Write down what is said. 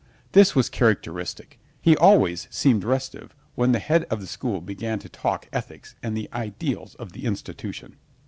This was characteristic. He always seemed restive when the head of the school began to talk ethics and the ideals of the institution.